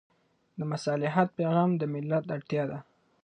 د مصالحت پېغام د ملت اړتیا ده.